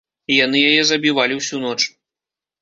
Яны яе забівалі ўсю ноч.